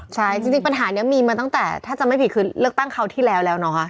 ใช่จริงปัญหานี้มีมาตั้งแต่ถ้าจำไม่ผิดคือเลือกตั้งคราวที่แล้วแล้วนะคะ